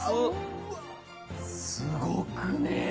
すごくね？